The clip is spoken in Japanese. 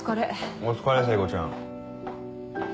お疲れ聖子ちゃん。